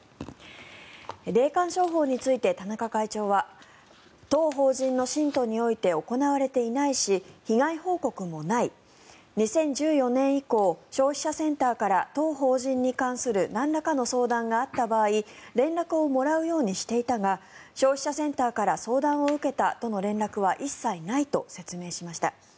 霊感商法について田中会長は当法人の信徒において行われていないし被害報告もない２０１４年以降消費者センターから当法人に関するなんらかの相談があった場合連絡をもらうようにしていたが消費者センターから相談を受けたとの連絡は一切ないと説明しました。